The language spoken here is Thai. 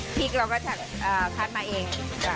พริกเราก็จะคัดมาเอง